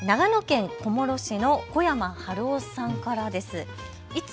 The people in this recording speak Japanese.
長野県小諸市の小山晴夫さんからです。